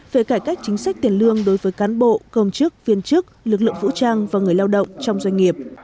về cải cách chính sách tiền lương đối với cán bộ công chức viên chức lực lượng vũ trang và người lao động trong doanh nghiệp